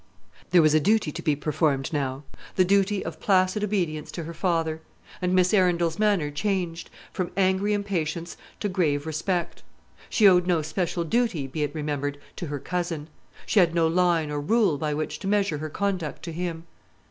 There was a duty to be performed now the duty of placid obedience to her father; and Miss Arundel's manner changed from angry impatience to grave respect. She owed no special duty, be it remembered, to her cousin. She had no line or rule by which to measure her conduct to him.